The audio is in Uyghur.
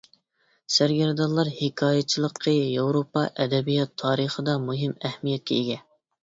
سەرگەردانلار ھېكايىچىلىقى ياۋروپا ئەدەبىيات تارىخىدا مۇھىم ئەھمىيەتكە ئىگە.